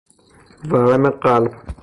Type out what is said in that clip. ورم قلب